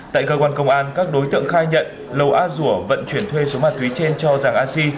tại cơ quan công an các đối tượng khai nhận lầu a rùa vận chuyển thuê số ma túy trên cho giang a si